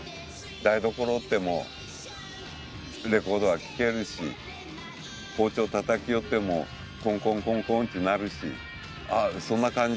台所おってもレコードは聴けるし包丁叩きよっても「コンコンコンコン」って鳴るし「あっそんな感じ」